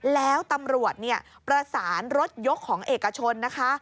แล้วตำรวจประสานรถยกของเอกชนนะคะ